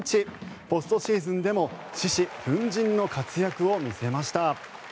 ポストシーズンでも獅子奮迅の活躍を見せました。